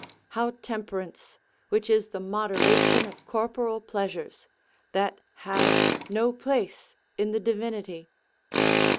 How temperance, which is the moderation of corporal pleasures, that have no place in the Divinity?